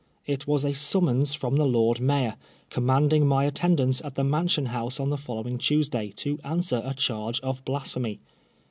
It was a summons from the Lord Mayor, commanding my attendance at the Mansion House on the following Tuesday, to answer a charge of Blasphemy.